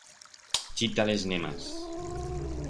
Chita-les-ne mas.